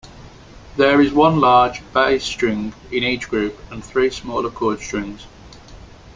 There is one large bass string in each group and three smaller chord strings.